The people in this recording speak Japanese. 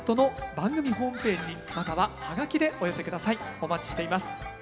お待ちしています。